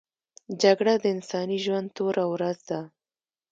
جګړه د انساني ژوند توره ورځ ده